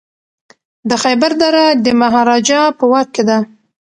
د خیبر دره د مهاراجا په واک کي ده.